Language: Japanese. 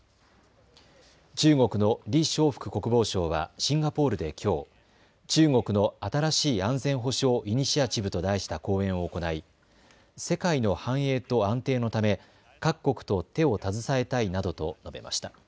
中国の李尚福国防相はシンガポールできょう中国の新しい安全保障イニシアチブと題した講演を行い世界の繁栄と安定のため各国と手を携えたいなどと述べました。